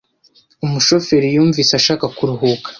Umushoferi yumvise ashaka kuruhuka.